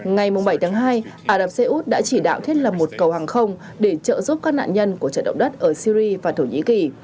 ngày bảy hai arab seyoud đã chỉ đạo thiết làm một cầu hàng không để trợ giúp các nạn nhân của trợ động đất ở syri và thổ nhĩ kỳ